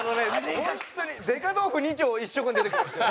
ホントにデカ豆腐２丁一食に出てくるんですよ。